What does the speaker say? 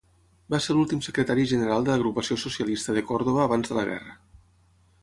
Va ser l'últim secretari general de l'Agrupació Socialista de Còrdova abans de la guerra.